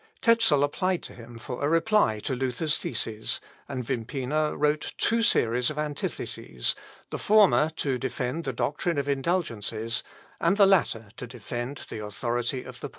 Tezel applied to him for a reply to Luther's theses, and Wimpina wrote two series of antitheses, the former to defend the doctrine of indulgences, and the latter to defend the authority of the pope.